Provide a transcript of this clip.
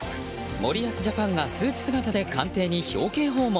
森保ジャパンがスーツ姿で官邸に表敬訪問。